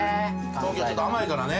東京はちょっと甘いからね。